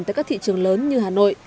tại các thị trường lớn như hà nội